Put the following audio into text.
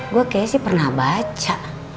gue kayaknya sih pernah baca